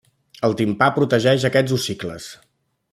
El timpà protegeix a aquests ossicles.